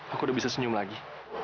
aku udah bisa senyum lagi